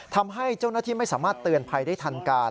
ทำให้เจ้าหน้าที่ไม่สามารถเตือนภัยได้ทันการ